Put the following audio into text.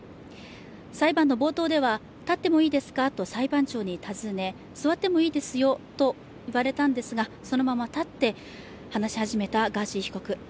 裁判の冒頭では立ってもいいですかと裁判長に尋ね座ってもいいですよと言われたんですが、そのまま立って話し始めたガーシー被告。